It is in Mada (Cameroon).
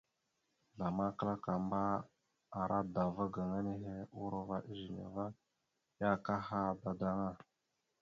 Zlama kǝlakamba, ara dava gaŋa nehe urova ezine va ya akaha dadaŋa.